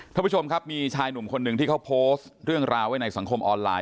ท่านผู้ชมครับมีชายหนุ่มคนหนึ่งที่เขาโพสต์เรื่องราวไว้ในสังคมออนไลน